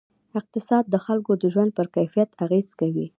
اقتصاد د خلکو د ژوند پر کیفیت اغېز کوي.